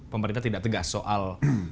pemerintah tidak tegas soal